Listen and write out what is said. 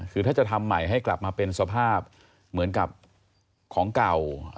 คือถ้าจะทำใหม่ให้กลับมาเป็นสภาพเหมือนกับของเก่า